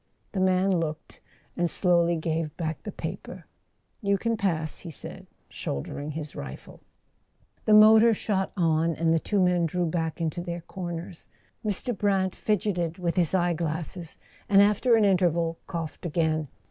The man looked, and slowly gave back the paper. "You can pass," he said, shouldering his rifle. The motor shot on, and the two men drew back into their corners. Mr. Brant fidgeted with his eye¬ glasses, and after an interval coughed again.